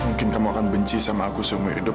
mungkin kamu akan benci sama aku seumur hidup